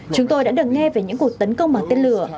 chúng tôi đã được nghe về những cuộc tấn công bằng tên lửa